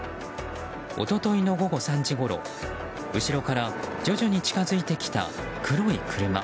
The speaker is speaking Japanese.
一昨日の午後３時ごろ後ろから徐々に近づいてきた黒い車。